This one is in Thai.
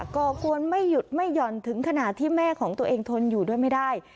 ก่อกวนไม่หยุดไม่หย่อนถึงขนาดที่แม่ของตัวเองทนอยู่ด้วยไม่ได้